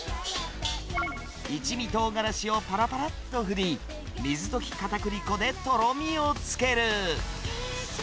一味とうがらしをぱらぱらっと振り、水溶きかたくり粉でとろみをつける。